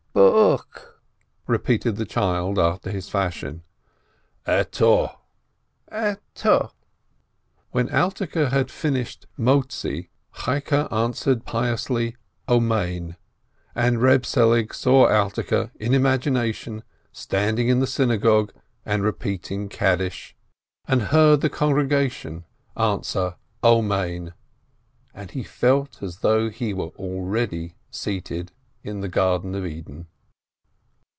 "Bo'uch," repeated the child after his fashion. "Attoh." "Attoh." When Alterke had finished "Who bringest forth," Cheike answered piously Amen, and Eeb Selig saw Alterke, in imagination, standing in the synagogue and repeating Kaddish, and heard the congregation answer THE KADDISH 425 Amen, and he felt as though he were already seated in the Garden of Eden.